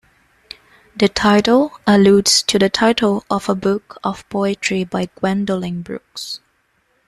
The title alludes to the title of a book of poetry by Gwendolyn Brooks.